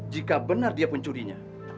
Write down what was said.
jika benar dia pencurinya